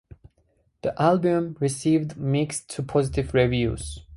The album received mixed to positive reviews.